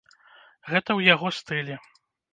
Гэта ў яго стылі.